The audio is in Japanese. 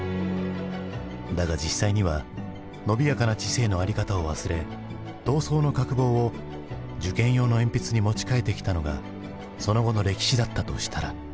だが実際にはのびやかな知性の在り方を忘れ闘争の角棒を受験用の鉛筆に持ち替えてきたのがその後の歴史だったとしたら。